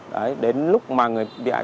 đấy đến lúc mà người bị hại